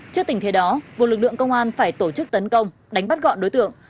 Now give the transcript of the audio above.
trước tình thế đó một lực lượng công an phải tổ chức tấn công đánh bắt gọn đối tượng